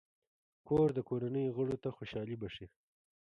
کور د کورنۍ غړو ته خوشحالي بښي.